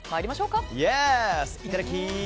いただき！